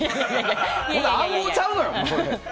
暗号ちゃうのよ！